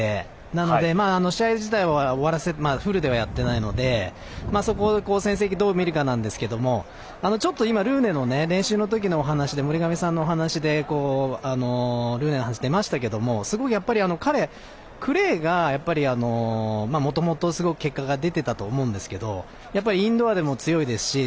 なので、試合自体はフルではやってないのでそこの戦績をどうみるかなんですけどちょっと今ルーネの練習のお話で森上さんのお話でルーネのお話が出ましたけども、彼、クレーがもともとすごく結果が出てましたけれどもインドアでも強いですし。